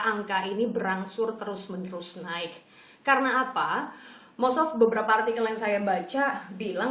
angka ini berangsur terus menerus naik karena apa most of beberapa artikel yang saya baca bilang